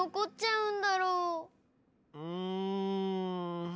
うん。